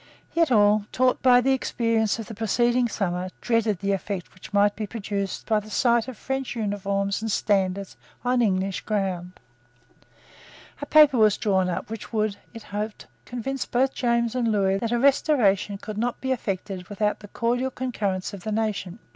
Yet all, taught by the experience of the preceding summer, dreaded the effect which might be produced by the sight of French uniforms and standards on English ground. A paper was drawn up which would, it was hoped, convince both James and Lewis that a restoration could not be effected without the cordial concurrence of the nation.